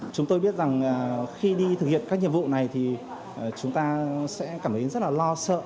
chúng tôi biết rằng khi đi thực hiện các nhiệm vụ này thì chúng ta sẽ cảm thấy rất là lo sợ